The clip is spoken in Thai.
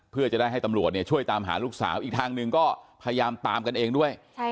เพื่อจะได้ให้ตำรวจช่วยตามหาลูกสาวอีกทางหนึ่งก็พยายามตามกันเองด้วย